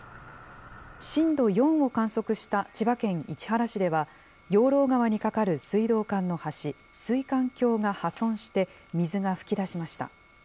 震度４を観測した千葉県市原市では、養老川に架かる水道管の橋、水管橋が破損して、水が噴き出しました。